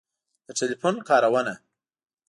د ټیلیفون کارونه